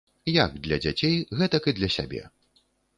Як для дзяцей, гэтак і для сябе.